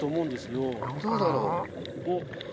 どうだろう？